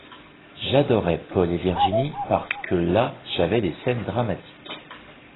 J'adorais Paul et Virginie parce que là j'avais des scènes dramatiques.